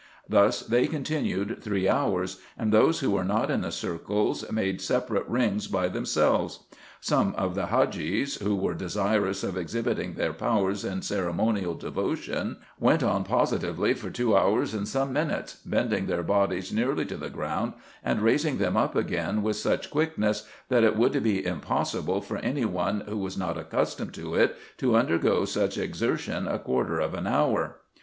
Thus they continued three hours, and those who were not in the circles made separate rings by themselves. Some of the Hadgees, who were desirous of exhibiting their powers in ceremonial devotion, went on positively for two hours, and some minutes, bending their bodies nearly to the ground, and raising them up again with such quickness, that it would be impossible for any one, who was not accustomed to it, to undergo such exertion a quarter of an hour.